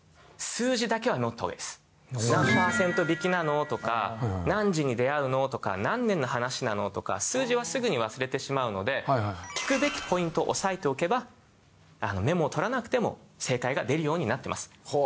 何パーセント引きなのとか何時に出会うのとか何年の話なのとか数字はすぐに忘れてしまうので聞くべきポイントを押さえておけばメモを取らなくても正解が出るようになってます。